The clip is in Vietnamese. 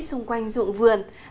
xung quanh ruộng vườn